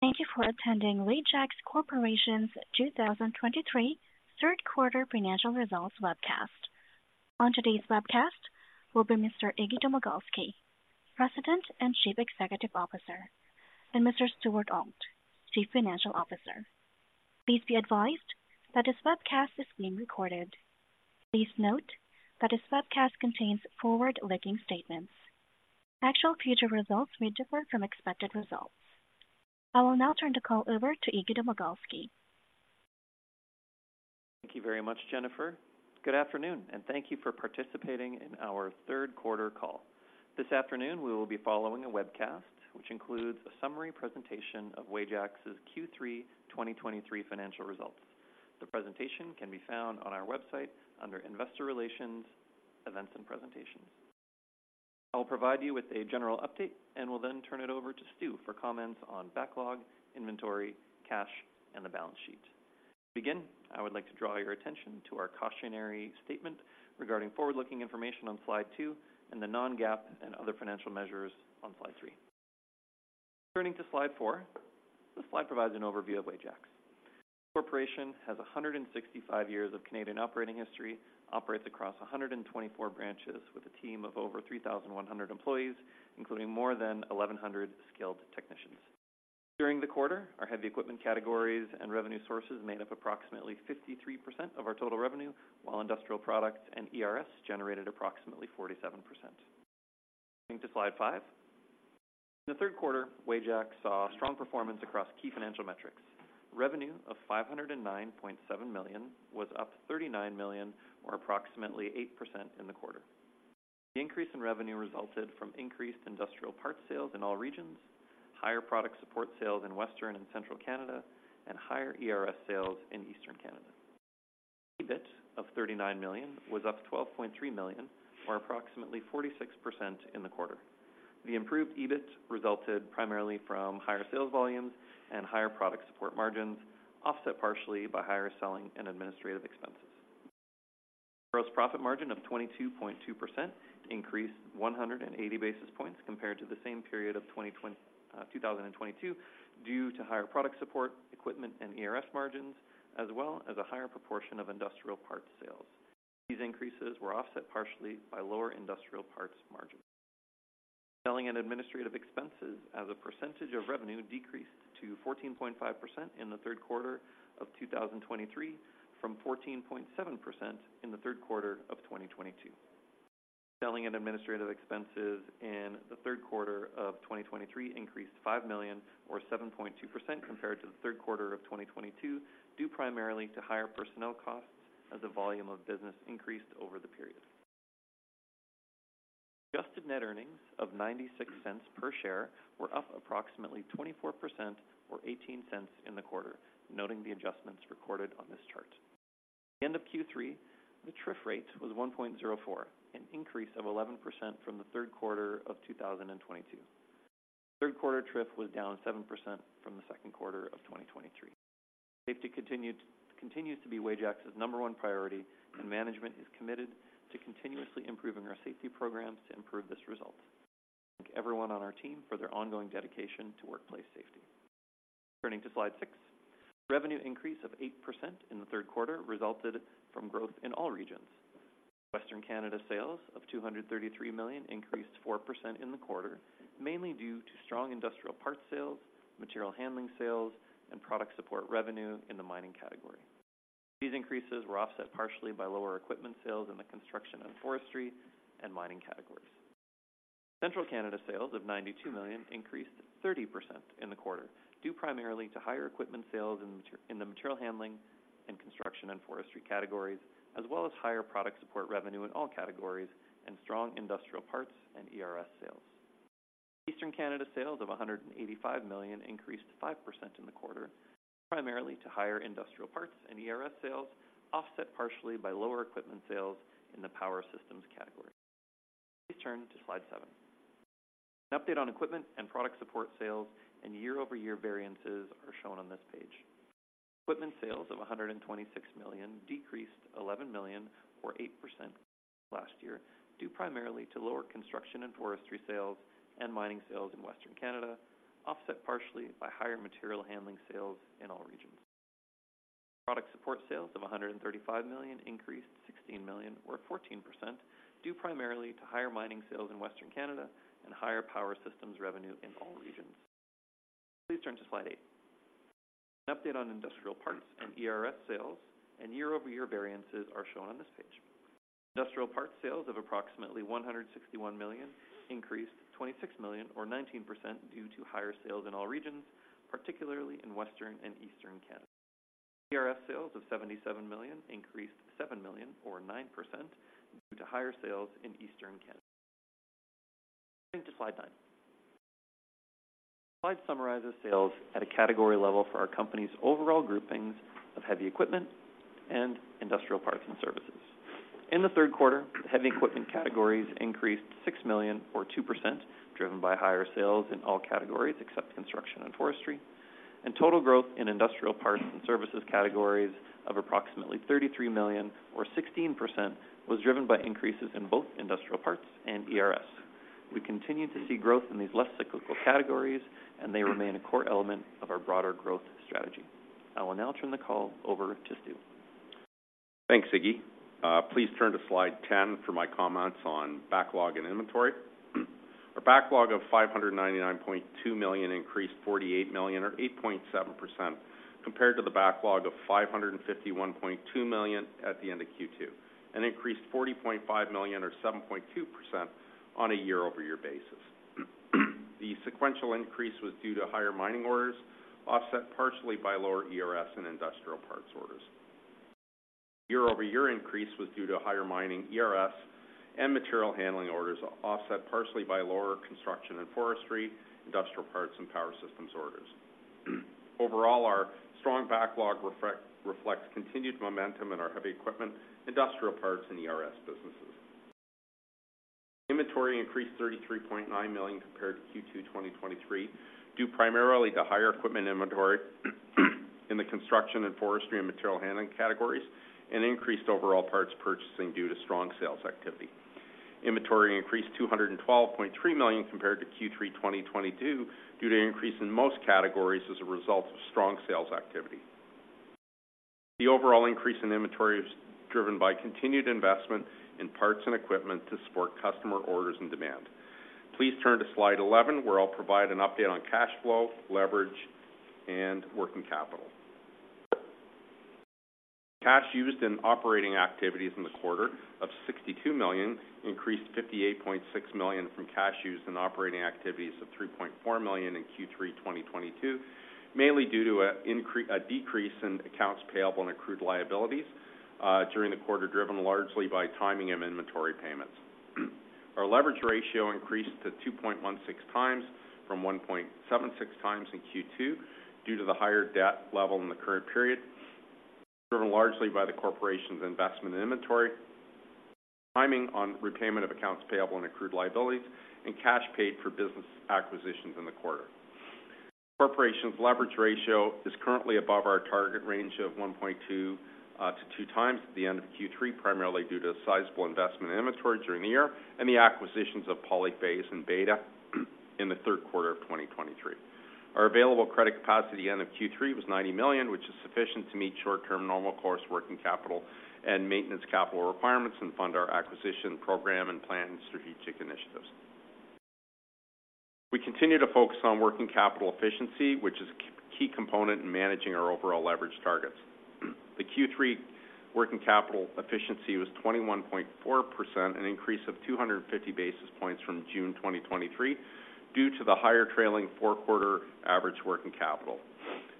Thank you for attending Wajax Corporation's 2023 third quarter financial results webcast. On today's webcast will be Mr. Iggy Domagalski, President and Chief Executive Officer, and Mr. Stuart Auld, Chief Financial Officer. Please be advised that this webcast is being recorded. Please note that this webcast contains forward-looking statements. Actual future results may differ from expected results. I will now turn the call over to Iggy Domagalski. Thank you very much, Jennifer. Good afternoon, and thank you for participating in our third quarter call. This afternoon, we will be following a webcast, which includes a summary presentation of Wajax's Q3 2023 financial results. The presentation can be found on our website under Investor Relations, Events and Presentations. I will provide you with a general update and will then turn it over to Stu for comments on backlog, inventory, cash, and the balance sheet. To begin, I would like to draw your attention to our cautionary statement regarding forward-looking information on Slide two and the non-GAAP and other financial measures on Slide three. Turning to Slide four, this slide provides an overview of Wajax. The corporation has 165 years of Canadian operating history, operates across 124 branches with a team of over 3,100 employees, including more than 1,100 skilled technicians. During the quarter, our heavy equipment categories and revenue sources made up approximately 53% of our total revenue, while industrial products and ERS generated approximately 47%. Turning to Slide five. In the third quarter, Wajax saw strong performance across key financial metrics. Revenue of 509.7 million was up 39 million, or approximately 8% in the quarter. The increase in revenue resulted from increased industrial parts sales in all regions, higher product support sales in Western and Central Canada, and higher ERS sales in Eastern Canada. EBIT of 39 million was up 12.3 million, or approximately 46% in the quarter. The improved EBIT resulted primarily from higher sales volumes and higher product support margins, offset partially by higher selling and administrative expenses. Gross profit margin of 22.2% increased 180 basis points compared to the same period of 2022, due to higher product support, equipment, and ERS margins, as well as a higher proportion of industrial parts sales. These increases were offset partially by lower industrial parts margins. Selling and administrative expenses as a percentage of revenue decreased to 14.5% in the third quarter of 2023, from 14.7% in the third quarter of 2022. Selling and administrative expenses in the third quarter of 2023 increased 5 million or 7.2% compared to the third quarter of 2022, due primarily to higher personnel costs as the volume of business increased over the period. Adjusted net earnings of 0.96 per share were up approximately 24% or 0.18 in the quarter, noting the adjustments recorded on this chart. At the end of Q3, the TRIF rate was 1.04, an increase of 11% from the third quarter of 2022. The third quarter TRIF was down 7% from the second quarter of 2023. Safety continued, continues to be Wajax's number one priority, and management is committed to continuously improving our safety programs to improve this result. We thank everyone on our team for their ongoing dedication to workplace safety. Turning to Slide six. Revenue increase of 8% in the third quarter resulted from growth in all regions. Western Canada sales of 233 million increased 4% in the quarter, mainly due to strong industrial parts sales, material handling sales, and product support revenue in the mining category. These increases were offset partially by lower equipment sales in the construction and forestry and mining categories. Central Canada sales of 92 million increased 30% in the quarter, due primarily to higher equipment sales in the in the material handling and construction and forestry categories, as well as higher product support revenue in all categories and strong industrial parts and ERS sales. Eastern Canada sales of 185 million increased 5% in the quarter, primarily to higher industrial parts and ERS sales, offset partially by lower equipment sales in the power systems category. Please turn to slide seven. An update on equipment and product support sales and year-over-year variances are shown on this page. Equipment sales of 126 million decreased 11 million or 8% last year, due primarily to lower construction and forestry sales and mining sales in Western Canada, offset partially by higher material handling sales in all regions. Product support sales of 135 million increased 16 million or 14%, due primarily to higher mining sales in Western Canada and higher power systems revenue in all regions. Please turn to Slide eight. An update on industrial parts and ERS sales and year-over-year variances are shown on this page. Industrial parts sales of approximately 161 million increased 26 million or 19% due to higher sales in all regions, particularly in Western and Eastern Canada. ERS sales of 77 million increased 7 million or 9% due to higher sales in Eastern Canada. Turning to Slide nine. This slide summarizes sales at a category level for our company's overall groupings of heavy equipment and industrial parts and services. In the third quarter, heavy equipment categories increased 6 million or 2%, driven by higher sales in all categories except construction and forestry. Total growth in industrial parts and services categories of approximately 33 million or 16% was driven by increases in both industrial parts and ERS. We continue to see growth in these less cyclical categories, and they remain a core element of our broader growth strategy. I will now turn the call over to Stu. Thanks, Iggy. Please turn to slide 10 for my comments on backlog and inventory. Our backlog of 599.2 million increased 48 million, or 8.7%, compared to the backlog of 551.2 million at the end of Q2, and increased 40.5 million, or 7.2% on a year-over-year basis. The sequential increase was due to higher mining orders, offset partially by lower ERS and industrial parts orders. Year-over-year increase was due to higher mining, ERS, and material handling orders, offset partially by lower construction and forestry, industrial parts, and power systems orders. Overall, our strong backlog reflects continued momentum in our heavy equipment, industrial parts, and ERS businesses. Inventory increased 33.9 million compared to Q2 2023, due primarily to higher equipment inventory in the construction and forestry and material handling categories, and increased overall parts purchasing due to strong sales activity. Inventory increased 212.3 million compared to Q3 2022, due to an increase in most categories as a result of strong sales activity. The overall increase in inventory is driven by continued investment in parts and equipment to support customer orders and demand. Please turn to Slide 11, where I'll provide an update on cash flow, leverage, and working capital. Cash used in operating activities in the quarter of 62 million increased 58.6 million from cash used in operating activities of 3.4 million in Q3 2022, mainly due to a decrease in accounts payable and accrued liabilities during the quarter, driven largely by timing of inventory payments. Our leverage ratio increased to 2.16xfrom 1.76x in Q2, due to the higher debt level in the current period, driven largely by the corporation's investment in inventory, timing on repayment of accounts payable and accrued liabilities, and cash paid for business acquisitions in the quarter. The corporation's leverage ratio is currently above our target range of 1.2x-2x at the end of Q3, primarily due to a sizable investment in inventory during the year and the acquisitions of Polyphase and Beta in the third quarter of 2023. Our available credit capacity end of Q3 was 90 million, which is sufficient to meet short-term normal course working capital and maintenance capital requirements, and fund our acquisition program and planned strategic initiatives. We continue to focus on working capital efficiency, which is a key component in managing our overall leverage targets. The Q3 working capital efficiency was 21.4%, an increase of 250 basis points from June 2023, due to the higher trailing four-quarter average working capital.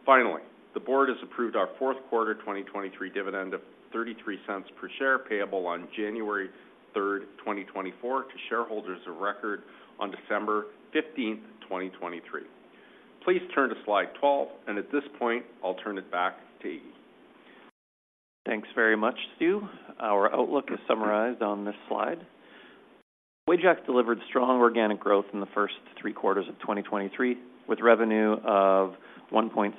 Finally, the board has approved our fourth-quarter 2023 dividend of 0.33 per share, payable on January 3rd, 2024, to shareholders of record on December 15th, 2023. Please turn to Slide 12, and at this point, I'll turn it back to Iggy. Thanks very much, Stu. Our outlook is summarized on this slide. Wajax delivered strong organic growth in the first three quarters of 2023, with revenue of 1.612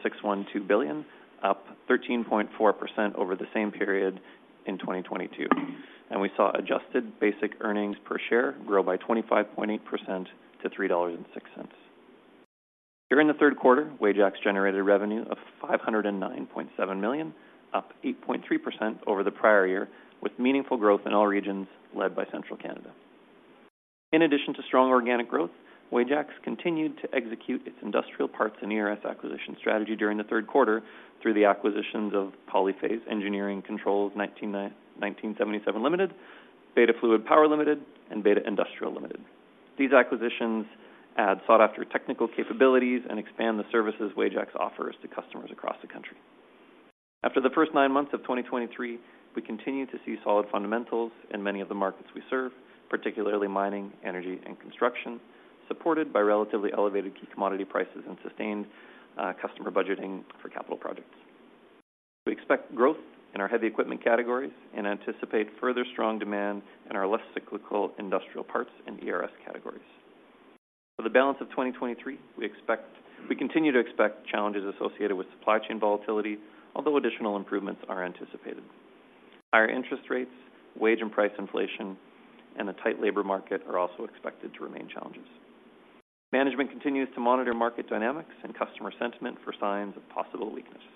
billion, up 13.4% over the same period in 2022. We saw adjusted basic earnings per share grow by 25.8%-CAD 3.06. During the third quarter, Wajax generated revenue of 509.7 million, up 8.3% over the prior year, with meaningful growth in all regions, led by Central Canada. In addition to strong organic growth, Wajax continued to execute its industrial parts and ERS acquisition strategy during the third quarter through the acquisitions of Polyphase Engineered Controls (1977) Limited, Beta Fluid Power Limited, and Beta Industrial Limited. These acquisitions add sought-after technical capabilities and expand the services Wajax offers to customers across the country. After the first nine months of 2023, we continue to see solid fundamentals in many of the markets we serve, particularly mining, energy, and construction, supported by relatively elevated key commodity prices and sustained customer budgeting for capital projects. We expect growth in our heavy equipment categories and anticipate further strong demand in our less cyclical industrial parts and ERS categories. For the balance of 2023, we expect, we continue to expect challenges associated with supply chain volatility, although additional improvements are anticipated. Higher interest rates, wage and price inflation, and a tight labor market are also expected to remain challenges. Management continues to monitor market dynamics and customer sentiment for signs of possible weaknesses.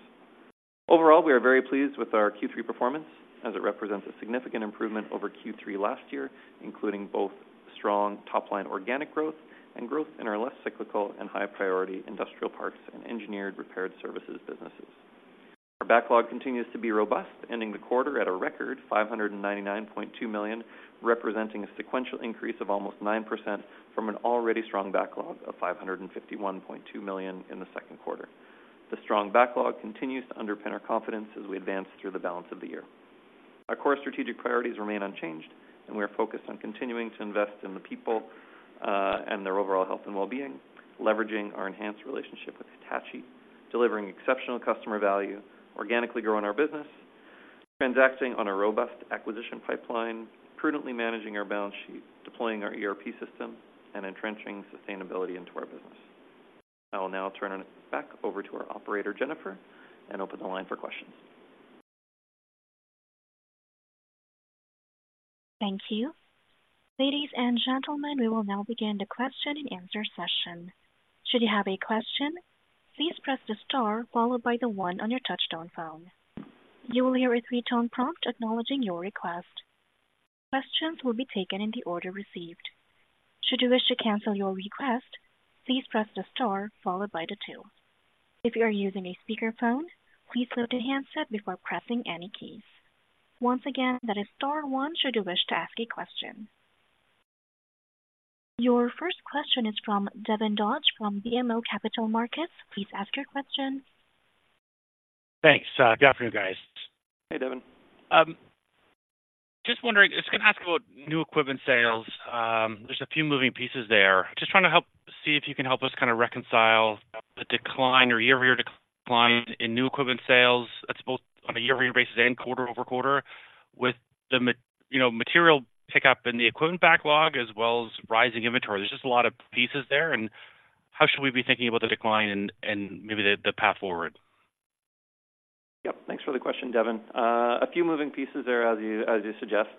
Overall, we are very pleased with our Q3 performance, as it represents a significant improvement over Q3 last year, including both strong top-line organic growth and growth in our less cyclical and high-priority industrial parts and engineered repair services businesses. Our backlog continues to be robust, ending the quarter at a record 599.2 million, representing a sequential increase of almost 9% from an already strong backlog of 551.2 million in the second quarter. The strong backlog continues to underpin our confidence as we advance through the balance of the year. Our core strategic priorities remain unchanged, and we are focused on continuing to invest in the people, and their overall health and well-being, leveraging our enhanced relationship with Hitachi, delivering exceptional customer value, organically growing our business, transacting on a robust acquisition pipeline, prudently managing our balance sheet, deploying our ERP system, and entrenching sustainability into our business. I will now turn it back over to our operator, Jennifer, and open the line for questions. Thank you. Ladies and gentlemen, we will now begin the question and answer session. Should you have a question, please press the star followed by the one on your touchtone phone. You will hear a three-tone prompt acknowledging your request. Questions will be taken in the order received. Should you wish to cancel your request, please press the star followed by the two. If you are using a speakerphone, please lift the handset before pressing any keys. Once again, that is star one should you wish to ask a question. Your first question is from Devin Dodge from BMO Capital Markets. Please ask your question. Thanks. Good afternoon, guys. Hey, Devin. Just wondering. I was gonna ask about new equipment sales. There's a few moving pieces there. Just trying to help. See if you can help us kind of reconcile the decline or year-over-year decline in new equipment sales. That's both on a year-over-year basis and quarter-over-quarter with the, you know, material pickup and the equipment backlog as well as rising inventory. There's just a lot of pieces there, and how should we be thinking about the decline and maybe the path forward? Yep. Thanks for the question, Devin. A few moving pieces there, as you suggest.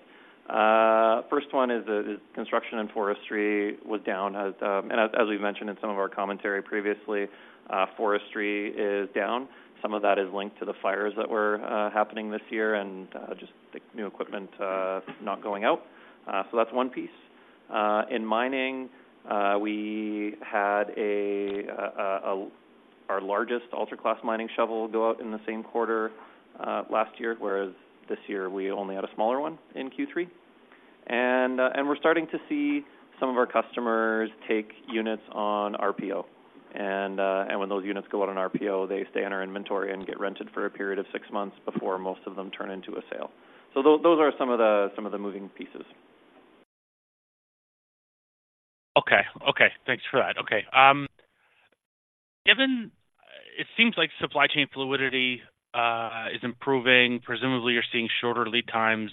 First one is the construction and forestry was down, as and as we've mentioned in some of our commentary previously, forestry is down. Some of that is linked to the fires that were happening this year and just the new equipment not going out. So that's one piece. In mining, we had our largest ultra-class mining shovel go out in the same quarter last year, whereas this year we only had a smaller one in Q3. And we're starting to see some of our customers take units on RPO. And when those units go out on RPO, they stay in our inventory and get rented for a period of six months before most of them turn into a sale. So those are some of the, some of the moving pieces. Okay. Okay, thanks for that. Okay, given it seems like supply chain fluidity is improving, presumably you're seeing shorter lead times.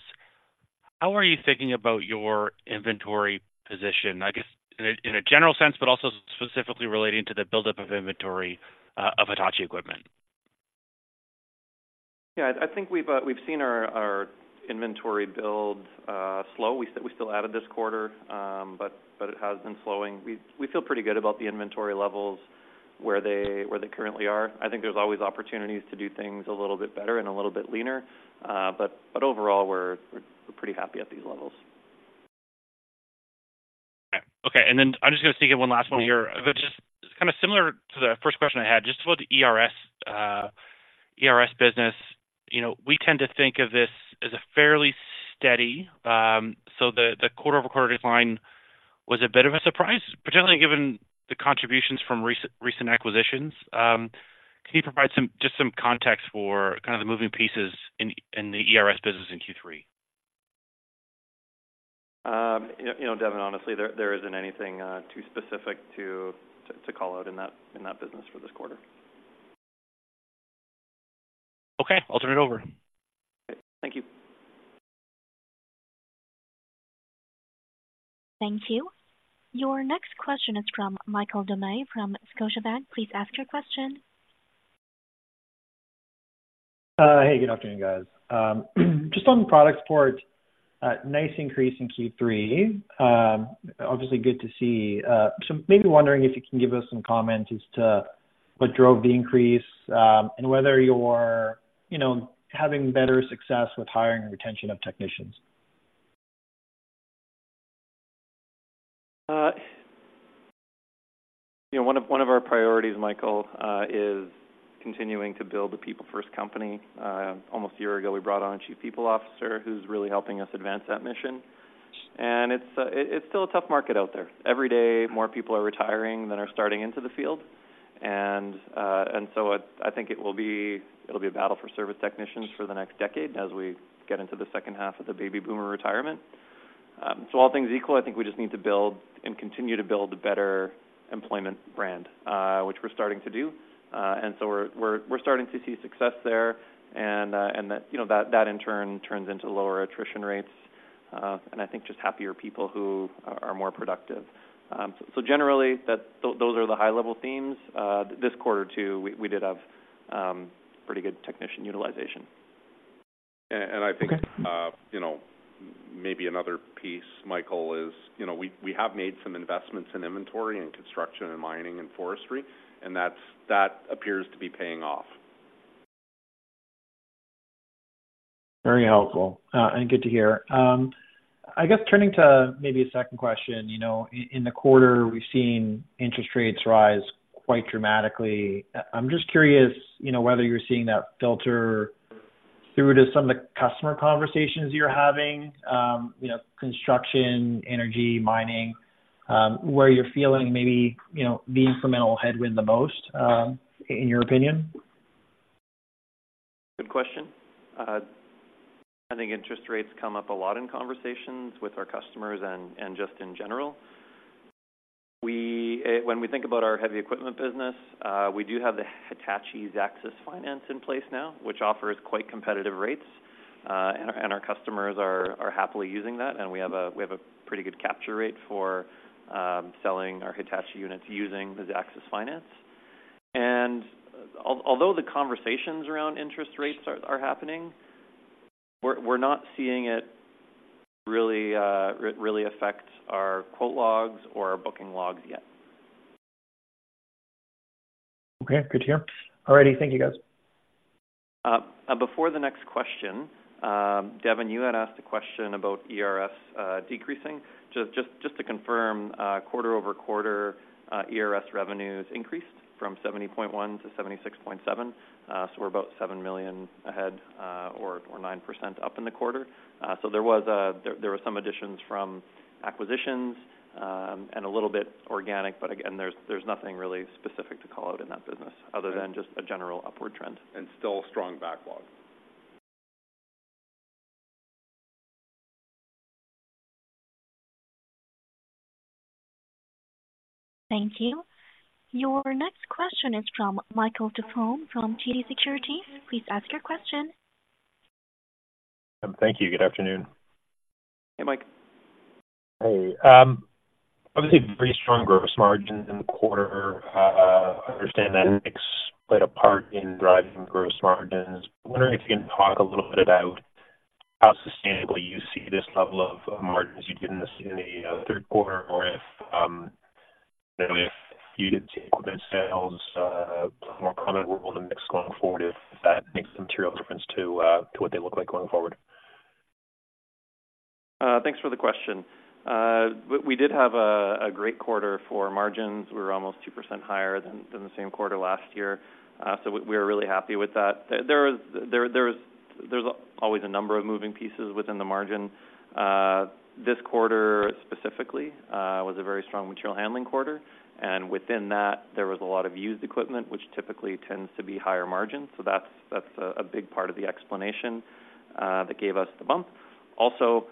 How are you thinking about your inventory position, I guess, in a, in a general sense, but also specifically relating to the buildup of inventory of Hitachi equipment? Yeah, I think we've seen our inventory build slow. We still added this quarter, but it has been slowing. We feel pretty good about the inventory levels, where they currently are. I think there's always opportunities to do things a little bit better and a little bit leaner. But overall, we're pretty happy at these levels. Okay. And then I'm just going to sneak in one last one here, which is kind of similar to the first question I had, just about the ERS business. You know, we tend to think of this as a fairly steady, so the quarter-over-quarter decline was a bit of a surprise, particularly given the contributions from recent acquisitions. Can you provide some, just some context for kind of the moving pieces in the ERS business in Q3? You know, Devin, honestly, there isn't anything too specific to call out in that business for this quarter. Okay, I'll turn it over. Thank you. Thank you. Your next question is from Michael Doumet, from Scotiabank. Please ask your question. Hey, good afternoon, guys. Just on the product portfolio, nice increase in Q3. Obviously good to see. So maybe wondering if you can give us some comment as to what drove the increase, and whether you're, you know, having better success with hiring and retention of technicians. You know, one of, one of our priorities, Michael, is continuing to build a people-first company. Almost a year ago, we brought on a Chief People Officer who's really helping us advance that mission, and it's a, it's still a tough market out there. Every day, more people are retiring than are starting into the field. And, and so I, I think it will be, it'll be a battle for service technicians for the next decade as we get into the second half of the baby boomer retirement. So all things equal, I think we just need to build and continue to build a better employment brand, which we're starting to do. And so we're starting to see success there, and that, you know, that in turn turns into lower attrition rates, and I think just happier people who are more productive. So generally, those are the high-level themes. This quarter, too, we did have pretty good technician utilization. I think- Okay. You know, maybe another piece, Michael, is, you know, we have made some investments in inventory and construction and mining and forestry, and that appears to be paying off. Very helpful, and good to hear. I guess turning to maybe a second question, you know, in the quarter, we've seen interest rates rise quite dramatically. I'm just curious, you know, whether you're seeing that filter through to some of the customer conversations you're having, you know, construction, energy, mining, where you're feeling maybe, you know, the incremental headwind the most, in your opinion? Good question. I think interest rates come up a lot in conversations with our customers and, and just in general. We, when we think about our heavy equipment business, we do have the Hitachi ZAXIS Finance in place now, which offers quite competitive rates, and our, and our customers are, are happily using that, and we have a, we have a pretty good capture rate for, selling our Hitachi units using the Axis Finance. And although the conversations around interest rates are, are happening, we're, we're not seeing it really, really affect our quote logs or our booking logs yet. Okay, good to hear. All righty. Thank you, guys. Before the next question, Devin, you had asked a question about ERS decreasing. Just, just, just to confirm, quarter-over-quarter, ERS revenues increased from 70.1 million-76.7 million. So we're about 7 million ahead, or 9% up in the quarter. So there were some additions from acquisitions, and a little bit organic, but again, there's nothing really specific to call out in that business other than just a general upward trend. And still a strong backlog. Thank you. Your next question is from Michael Dufour from TD Securities. Please ask your question. Thank you. Good afternoon. Hey, Mike. Hey. Obviously, pretty strong gross margin in the quarter. I understand that mix played a part in driving gross margins. I'm wondering if you can talk a little bit about how sustainably you see this level of, of margins you did in the third quarter, or if, you know, if used equipment sales more prominent role in the mix going forward, if that makes a material difference to what they look like going forward. Thanks for the question. We did have a great quarter for margins. We were almost 2% higher than the same quarter last year. So we are really happy with that. There was - there's always a number of moving pieces within the margin. This quarter specifically was a very strong material handling quarter, and within that, there was a lot of used equipment, which typically tends to be higher margin. So that's a big part of the explanation that gave us the bump. Also,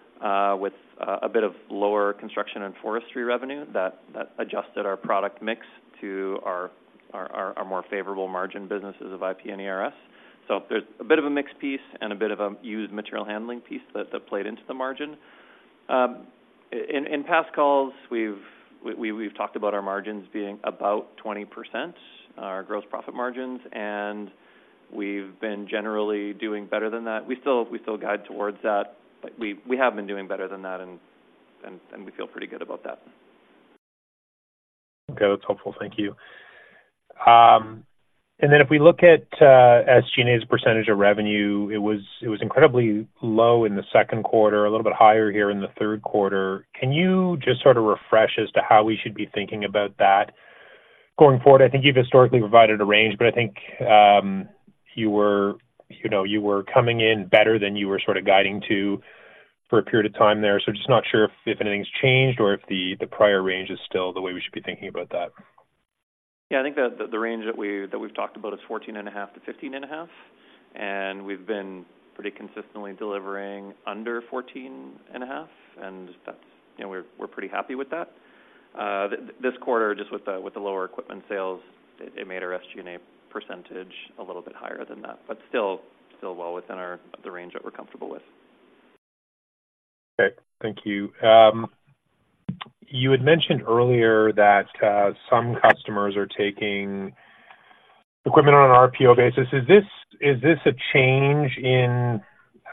with a bit of lower construction and forestry revenue, that adjusted our product mix to our more favorable margin businesses of IP and ERS. So there's a bit of a mix piece and a bit of a used material handling piece that played into the margin. In past calls, we've talked about our margins being about 20%, our gross profit margins, and we've been generally doing better than that. We still guide towards that, but we have been doing better than that, and we feel pretty good about that. Okay, that's helpful. Thank you. And then if we look at, SG&A's percentage of revenue, it was, it was incredibly low in the second quarter, a little bit higher here in the third quarter. Can you just sort of refresh as to how we should be thinking about that going forward? I think you've historically provided a range, but I think, you were, you know, you were coming in better than you were sort of guiding to for a period of time there. So just not sure if, if anything's changed or if the, the prior range is still the way we should be thinking about that. Yeah, I think that the range that we've talked about is 14.5%-15.5%, and we've been pretty consistently delivering under 14.5%, and that's, you know, we're pretty happy with that. This quarter, just with the lower equipment sales, it made our SG&A percentage a little bit higher than that, but still well within the range that we're comfortable with. Okay, thank you. You had mentioned earlier that some customers are taking equipment on an RPO basis. Is this, is this a change in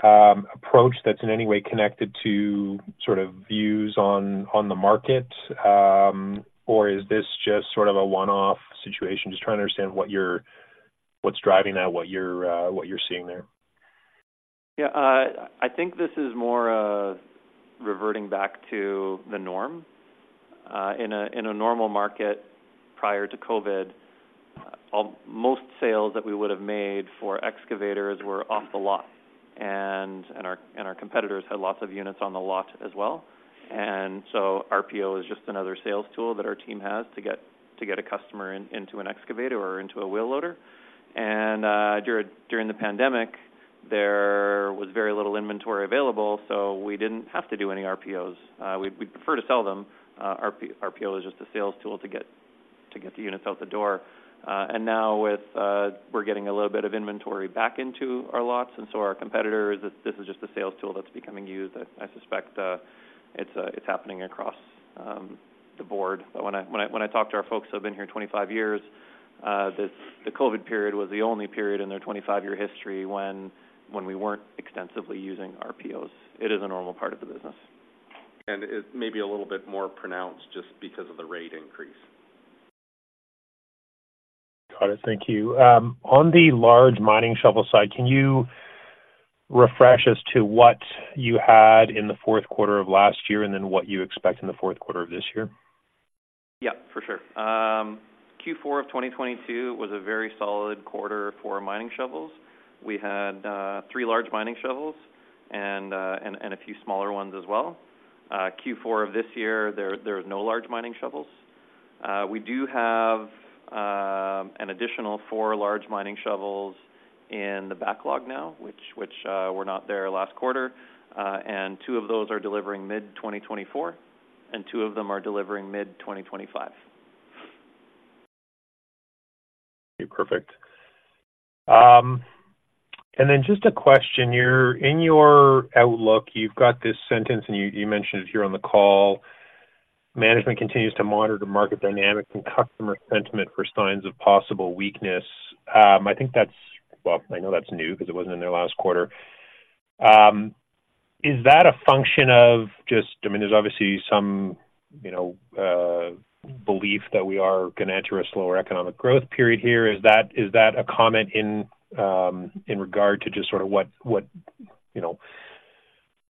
approach that's in any way connected to sort of views on the market, or is this just sort of a one-off situation? Just trying to understand what's driving that, what you're seeing there. Yeah, I think this is more of reverting back to the norm. In a normal market, prior to COVID, all... Most sales that we would have made for excavators were off the lot, and our competitors had lots of units on the lot as well. And so RPO is just another sales tool that our team has to get a customer into an excavator or into a wheel loader. And during the pandemic, there was very little inventory available, so we didn't have to do any RPOs. We'd prefer to sell them. RPO is just a sales tool to get the units out the door. And now we're getting a little bit of inventory back into our lots, and so are our competitors. This is just a sales tool that's becoming used. I suspect it's happening across the board. But when I talk to our folks who have been here 25 years, this, the COVID period was the only period in their 25-year history when we weren't extensively using RPOs. It is a normal part of the business. It may be a little bit more pronounced just because of the rate increase. Got it. Thank you. On the large mining shovel side, can you refresh as to what you had in the fourth quarter of last year, and then what you expect in the fourth quarter of this year? Yeah, for sure. Q4 of 2022 was a very solid quarter for mining shovels. We had three large mining shovels and a few smaller ones as well. Q4 of this year, there are no large mining shovels. We do have an additional four large mining shovels in the backlog now, which were not there last quarter. And two of those are delivering mid-2024, and two of them are delivering mid-2025. Okay, perfect. And then just a question. You're in your outlook, you've got this sentence, and you mentioned it here on the call: "Management continues to monitor the market dynamics and customer sentiment for signs of possible weakness." I think that's... Well, I know that's new because it wasn't in there last quarter. Is that a function of just - I mean, there's obviously some, you know, belief that we are going to enter a slower economic growth period here. Is that a comment in regard to just sort of what you know,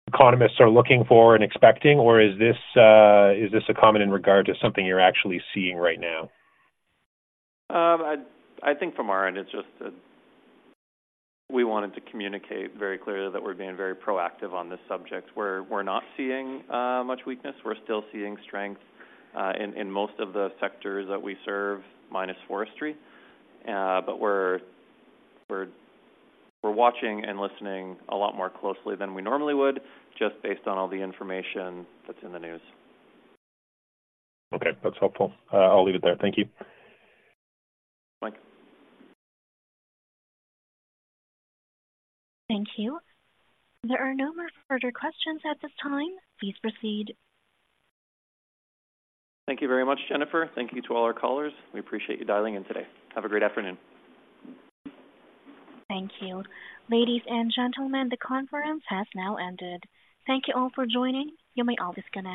economists are looking for and expecting? Or is this a comment in regard to something you're actually seeing right now? I think from our end, it's just that we wanted to communicate very clearly that we're being very proactive on this subject. We're not seeing much weakness. We're still seeing strength in most of the sectors that we serve, minus forestry. But we're watching and listening a lot more closely than we normally would, just based on all the information that's in the news. Okay, that's helpful. I'll leave it there. Thank you. Thanks. Thank you. There are no more further questions at this time. Please proceed. Thank you very much, Jennifer. Thank you to all our callers. We appreciate you dialing in today. Have a great afternoon. Thank you. Ladies and gentlemen, the conference has now ended. Thank you all for joining. You may all disconnect.